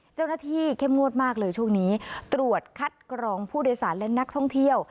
เข้มงวดมากเลยช่วงนี้ตรวจคัดกรองผู้โดยสารและนักท่องเที่ยว